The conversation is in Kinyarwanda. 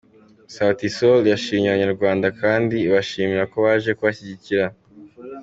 Sauti Sol yashimye Abanyarwanda kandi ibashimira ko baje kubashyigikira.